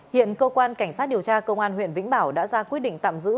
hiện cơ quan cảnh sát điều tra công an huyện vĩnh bảo đã ra quyết định tạm giữ